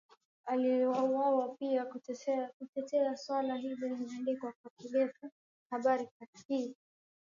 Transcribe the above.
aliuwawa pia kwa kutetea swala hili imeandikwa kwa kidefu habari hii katika